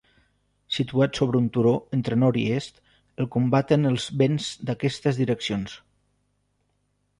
Situat sobre un turó entre nord i est, el combaten els vents d'aquestes direccions.